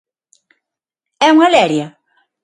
¿É unha leria?